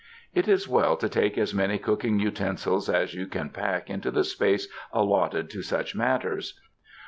It is well to take as many cooking utensils as you can pack into the space allotted to such matters.